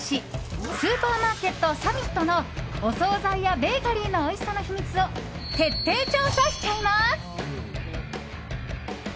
スーパーマーケットサミットのお総菜やベーカリーのおいしさの秘密を徹底調査しちゃいます。